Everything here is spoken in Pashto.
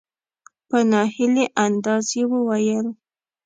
په نا هیلي انداز یې وویل .